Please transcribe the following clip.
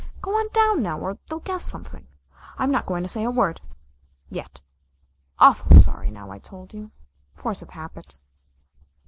Go on down now, or they'll guess something. I'm not going to say a word yet. Awful sorry now I told you. Force of habit."